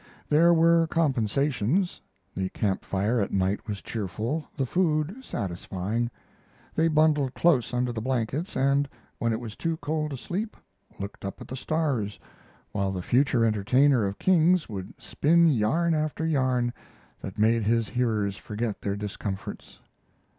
There were compensations: the camp fire at night was cheerful, the food satisfying. They bundled close under the blankets and, when it was too cold to sleep, looked up at the stars, while the future entertainer of kings would spin yarn after yarn that made his hearers forget their discomforts.